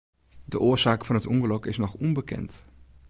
De oarsaak fan it ûngelok is noch ûnbekend.